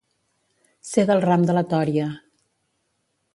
Ser del ram de la tòria.